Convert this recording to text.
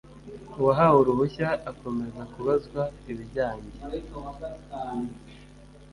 uwahawe uruhushya akomeza kubazwa ibijyanjye